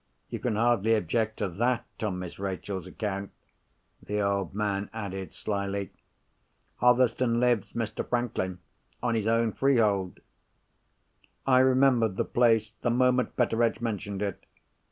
You can hardly object to that on Miss Rachel's account," the old man added slily. "Hotherstone lives, Mr. Franklin, on his own freehold." I remembered the place the moment Betteredge mentioned it.